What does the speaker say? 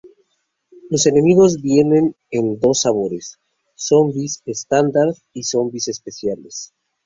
Los enemigos vienen en dos sabores, zombies estándar y zombies especiales.